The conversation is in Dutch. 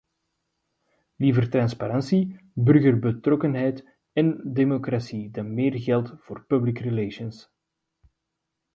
Liever transparantie, burgerbetrokkenheid en democratie dan meer geld voor public relations.